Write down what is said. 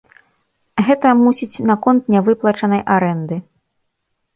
Гэта, мусіць, наконт нявыплачанай арэнды.